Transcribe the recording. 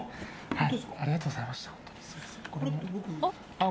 はい。